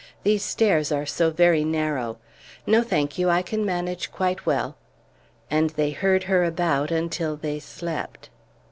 "These stairs are so very narrow. No, thank you, I can manage quite well." And they heard her about until they slept.